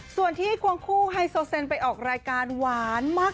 ส่วนที่ควงคู่ไฮโซเซนไปออกรายการหวานมาก